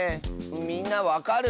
みんなわかる？